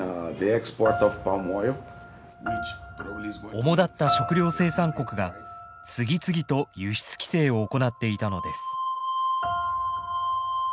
おもだった食料生産国が次々と輸出規制を行っていたのです。